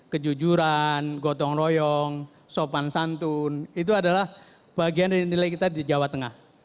kejujuran gotong royong sopan santun itu adalah bagian dari nilai kita di jawa tengah